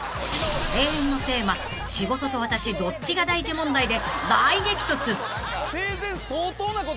［永遠のテーマ「仕事と私どっちが大事問題」で大激突］